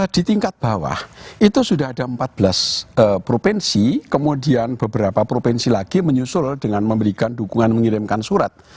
di tingkat bawah itu sudah ada empat belas provinsi kemudian beberapa provinsi lagi menyusul dengan memberikan dukungan mengirimkan surat